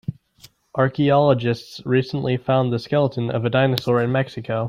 Archaeologists recently found the skeleton of a dinosaur in Mexico.